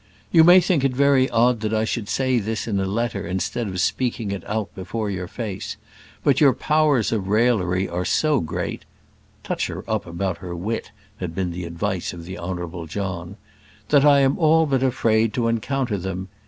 You may think it very odd that I should say this in a letter instead of speaking it out before your face; but your powers of raillery are so great ["touch her up about her wit" had been the advice of the Honourable John] that I am all but afraid to encounter them.